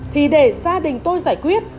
thì để gia đình tôi giải quyết